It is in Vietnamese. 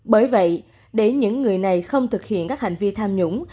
bởi vậy để những người này không thực hiện các hành vi tham nhũng